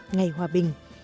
ngày hòa bình